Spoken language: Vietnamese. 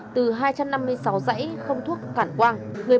từ hai trăm năm mươi sáu dãy không thuốc cản quang